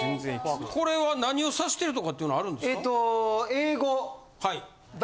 これは何をさしてるとかっていうのはあるんですか？